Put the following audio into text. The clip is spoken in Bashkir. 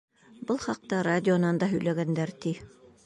Был хаҡта радионан да һөйләгәндәр, ти.